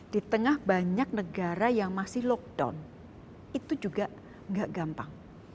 di tengah banyak negara yang masih lockdown itu juga nggak gampang